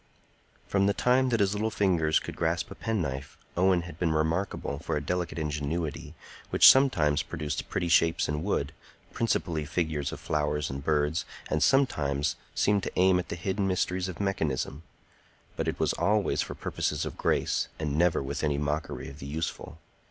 From the time that his little fingers could grasp a penknife, Owen had been remarkable for a delicate ingenuity, which sometimes produced pretty shapes in wood, principally figures of flowers and birds, and sometimes seemed to aim at the hidden mysteries of mechanism. But it was always for purposes of grace, and never with any mockery of the useful.